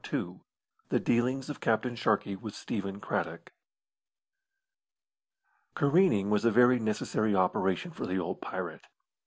II THE DEALINGS OF CAPTAIN SHARKEY WITH STEPHEN CRADDOCK Careening was a very necessary operation for the old pirate.